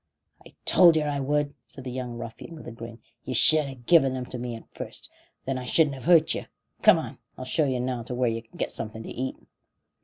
"I told yer I would," said the young ruffian, with a grin. "You should ha' given 'em to me at first, and then I shouldn't have hurt yer. Come on; I'll show yer now where yer can get something to eat."